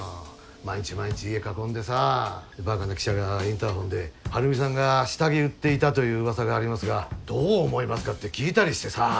毎日毎日家囲んでさばかな記者がインターホンで晴美さんが下着売っていたといううわさがありますがどう思いますか？って聞いたりしてさ。